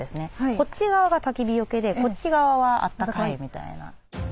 こっち側がたき火よけでこっち側はあったかいみたいな。